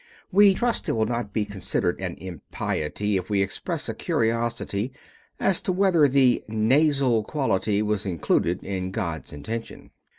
We trust it will not be considered an impiety if we express a curiosity as to whether the nasal quality was included in God's intention.